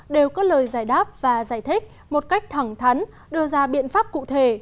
đều có lời giải đáp và giải thích một cách thẳng thắn đưa ra biện pháp cụ thể